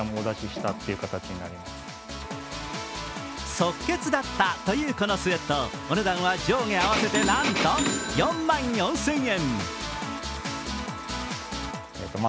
即決だったというこのスエット、お値段は上下合わせてなんと４万４０００円。